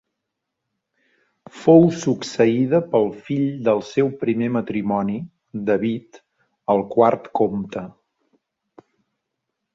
Fou succeïda pel fill del seu primer matrimoni, David, el quart comte.